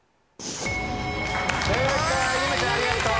正解ゆめちゃんありがとう。